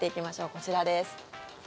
こちらです。